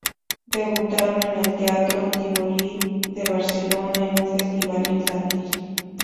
Debutaron en el teatro Tívoli de Barcelona, en un festival infantil.